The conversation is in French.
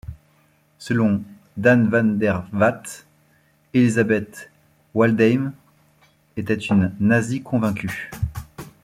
Selon Dan van der Vat, Elisabeth Waldheim était une nazie convaincue.